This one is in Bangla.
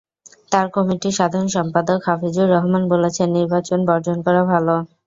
তাঁর কমিটির সাধারণ সম্পাদক হাফিজুর রহমান বলেছেন, নির্বাচন বর্জন করা ভালো।